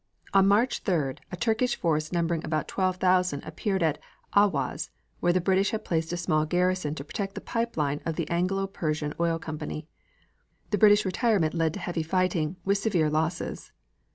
On March 3d a Turkish force numbering about twelve thousand appeared at Ahwaz where the British had placed a small garrison to protect the pipe line of the Anglo Persian Oil Company. The British retirement led to heavy fighting, with severe losses.